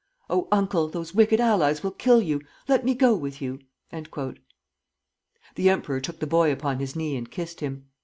"Oh, Uncle, those wicked allies will kill you! Let me go with you." The emperor took the boy upon his knee and kissed him.